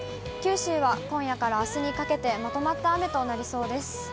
九州は今夜からあすにかけて、まとまった雨となりそうです。